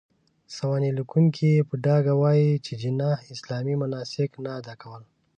سوانح ليکونکي يې په ډاګه وايي، چې جناح اسلامي مناسک نه اداء کول.